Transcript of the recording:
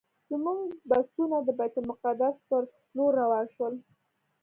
زموږ بسونه د بیت المقدس پر لور روان شول.